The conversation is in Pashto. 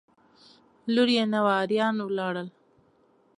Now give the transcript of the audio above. لور یې نه وه اریان ولاړل.